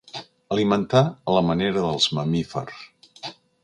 Alimentar a la manera dels mamífers.